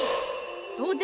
どうじゃ？